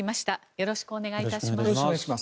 よろしくお願いします。